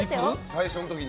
最初の時に？